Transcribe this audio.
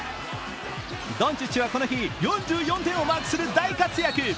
ドンチッチはこの日４４点をマークする大活躍。